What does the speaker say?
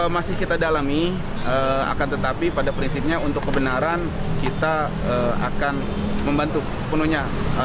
masih kita dalami akan tetapi pada prinsipnya untuk kebenaran kita akan membantu sepenuhnya